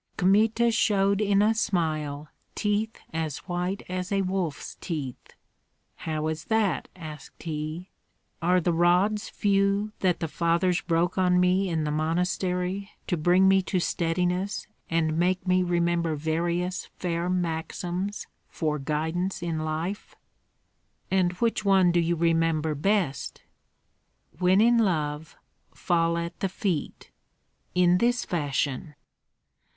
Kmita showed in a smile teeth as white as a wolf's teeth, "How is that?" asked he. "Are the rods few that the fathers broke on me in the monastery to bring me to steadiness and make me remember various fair maxims for guidance in life " "And which one do you remember best?" "'When in love, fall at the feet,' in this fashion."